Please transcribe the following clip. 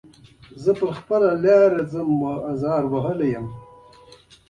زه ځم په خپله لاره زه ازار وهلی یم.